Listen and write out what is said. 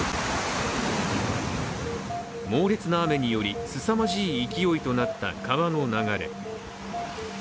猛烈な雨により、すさまじい勢いとなった川の流れ。